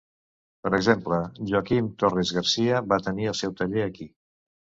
Per exemple, Joaquim Torres-Garcia va tenir el seu taller aquí.